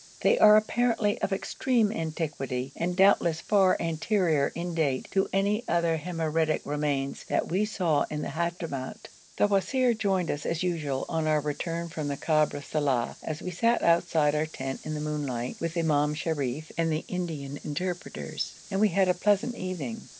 They are apparently of extreme antiquity, and doubtless far anterior in date to any other Himyaritic remains that we saw in the Hadhramout. The wazir joined us as usual on our return from Kabr Saleh, as we sat outside our tent in the moonlight with Imam Sharif and the Indian interpreters, and we had a pleasant evening.